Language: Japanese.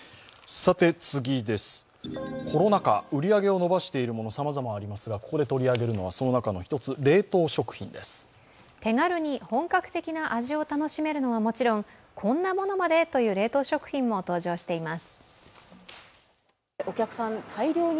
コロナ禍売り上げを伸ばしているものさまざまありますが、ここで取り上げるのは手軽に本格的な味を楽しめるのももちろん、こんなものまで？という冷凍食品も登場しています。